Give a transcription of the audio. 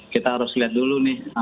kita harus lihat dulu nih